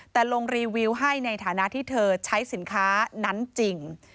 แต่ลงรีวิวให้ในฐานะที่เธอใช้สินค้านั้นจริง